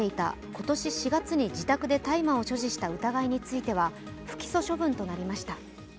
今年４月に自宅で大麻を所持していた疑いについては不起訴処分となりました。